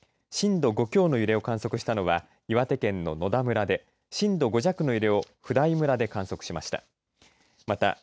震度５強の揺れを観測したのは岩手県の野田村で震度５弱の揺れを普代村で観測しました。